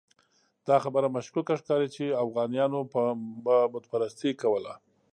دا خبره مشکوکه ښکاري چې اوغانیانو به بت پرستي کوله.